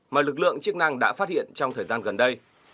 mà lực lượng chức năng đã phát hiện trong thời gian gần đây